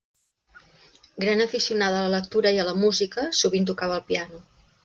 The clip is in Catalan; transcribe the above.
Gran aficionada a la lectura i a la música, sovint tocava el piano.